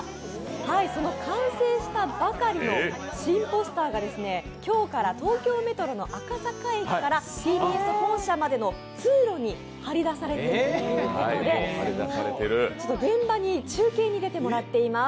その完成したばかりの新ポスターが今日から東京メトロの赤坂駅からＴＢＳ本社までの通路に張り出されているということで現場に中継に出てもらっています。